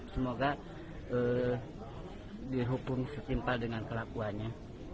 semoga dihukum setimpal dengan kelakuannya